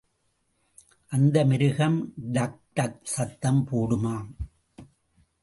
அந்த மிருகம் டக்டக் சத்தம் போடுமாம்.